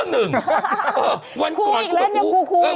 วันก่อนกูก็ตัวกูแล้ว